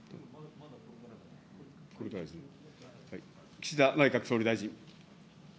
岸田内閣総理大臣。